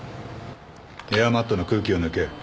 エアマットの空気を抜け。